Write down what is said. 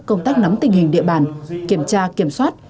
công tác nắm tình hình địa bàn kiểm tra kiểm soát